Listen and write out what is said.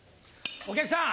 お客さん！